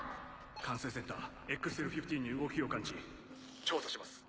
官制センターＸＬ−１５に動きを感知調査します。